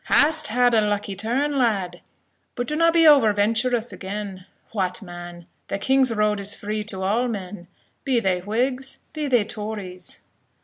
"Hast had a lucky turn, lad; but do na be over venturous again. What, man! the king's road is free to all men, be they Whigs, be they Tories."